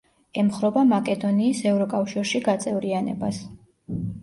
ემხრობა მაკედონიის ევროკავშირში გაწევრიანებას.